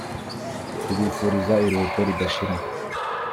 tubifuriza iruhuko ridashira